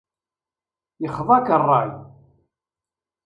Yexḍa-k ṛṛay.